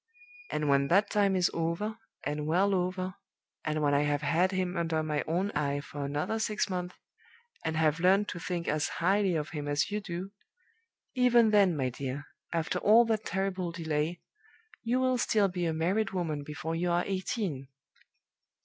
And when that time is over, and well over; and when I have had him under my own eye for another six months, and have learned to think as highly of him as you do even then, my dear, after all that terrible delay, you will still be a married woman before you are eighteen.